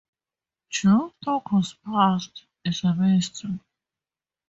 Duke Togo's past is a mystery.